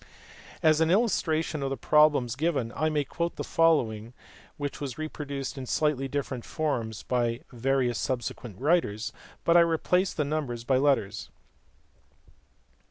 As an illustration of the pro blems given I may quote the following, which was reproduced in slightly different forms by various subsequent writers, but I replace the numbers by letters.